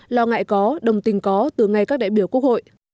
lo ngại có đồng tình có từ ngay các đại biểu quốc hội